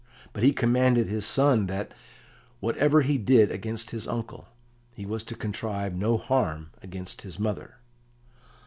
But he commanded his son that, whatever he did against his uncle, he was to contrive no harm against his mother.